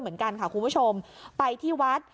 เหมือนกันค่ะคุณผู้ชมไปที่วัด